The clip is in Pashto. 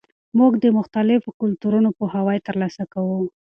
موږ د مختلفو کلتورونو پوهاوی ترلاسه کوو.